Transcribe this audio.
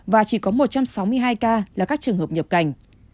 và chỉ có một trăm sáu mươi hai ca là các trường hợp nhập cảnh